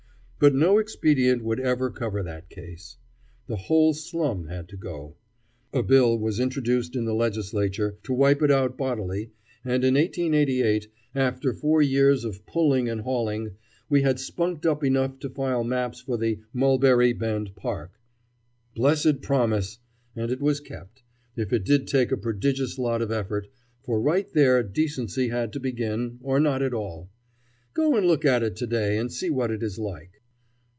But no expedient would ever cover that case. The whole slum had to go. A bill was introduced in the Legislature to wipe it out bodily, and in 1888, after four years of pulling and hauling, we had spunked up enough to file maps for the "Mulberry Bend Park." Blessed promise! And it was kept, if it did take a prodigious lot of effort, for right there decency had to begin, or not at all. Go and look at it to day and see what it is like.